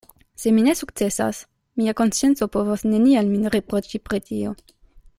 Se mi ne sukcesas, mia konscienco povos neniel min riproĉi pri tio.